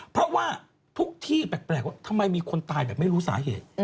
เพราะว่าทุกที่แปลกว่าทำไมมีคนตายแบบไม่รู้สาเหตุ